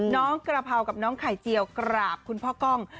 น้องกระเพรากับน้องไข่เจียวกราบคุณพ่อกล้อง